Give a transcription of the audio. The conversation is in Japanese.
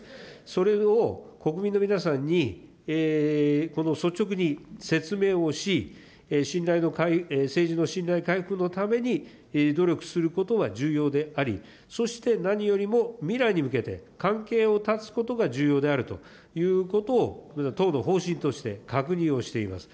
それを国民の皆さんにこの率直に説明をし、信頼の、政治の信頼の回復のために、努力することは重要であり、そして何よりも未来に向けて、関係を断つことが重要であるということを、党の方針として確認をしています。